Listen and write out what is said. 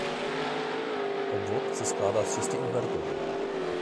Obvod se skládá z šesti invertorů